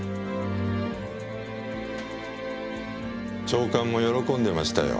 長官も喜んでましたよ。